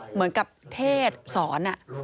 เหมือนกับเทศสอน